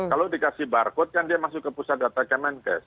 kalau dikasih barcode kan dia masuk ke pusat data kemenkes